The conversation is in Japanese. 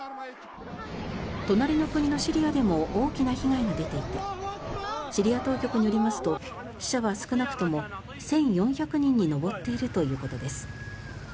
隣の国のシリアでも大きな被害が出ていてシリア当局によりますと死者は少なくとも１４００人に上っているということです。